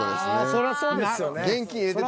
そらそうですよね。